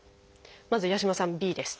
まず八嶋さんＢです。